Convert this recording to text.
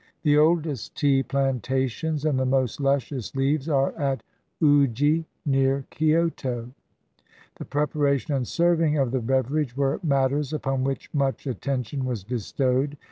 The oldest tea plantations and the most luscious leaves are at Uji, near Kioto. The preparation and serving of the bever age were matters upon which much attention was be stowed.